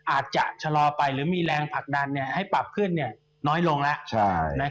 อาจจะชะลอไปหรือมีแรงผลักดันให้ปรับขึ้นน้อยลงแล้ว